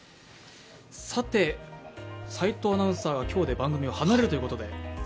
齋藤アナウンサーが今日で番組を離れるということ。